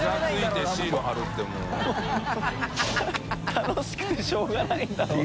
楽しくてしょうがないんだろうな。